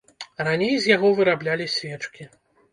Раней з яго выраблялі свечкі.